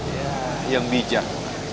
ya yang bijak